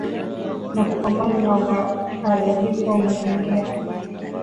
na kupambana na uharibifu wa mazingira